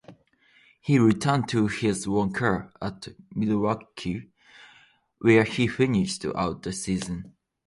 He returned to his own car at Milwaukee, where he finished out the season.